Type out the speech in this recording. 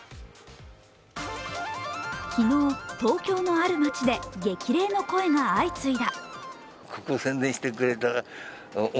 昨日、東京のある町で激励の声が相次いだ。